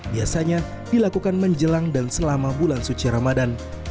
biasanya dilakukan menjelang dan selama bulan suci ramadan